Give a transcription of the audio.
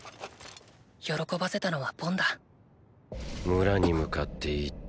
喜ばせたのはボンだ村に向かって１体。